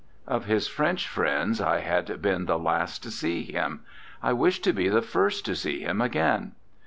Of his French friends I had been the last to see him; I wished to be the first to see him again.